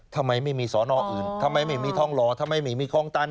ทำไมไม่มีสอนออื่นทำไมไม่มีทองหล่อทำไมไม่มีคลองตัน